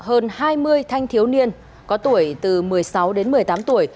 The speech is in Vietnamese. lực lượng công an đã mời làm việc hơn hai mươi thanh thiếu niên có tuổi từ một mươi sáu đến một mươi tám tuổi